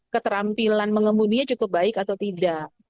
keterampilan mengemudinya cukup baik atau tidak